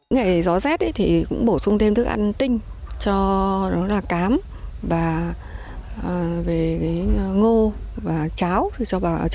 ngày gió rét thì cũng bổ sung thêm thức ăn tinh cho cám và ngô và cháo cho trâu bò để tăng sự đề kháng cho đàn gia súc